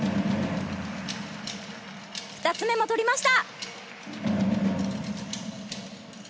２つ目も取りました。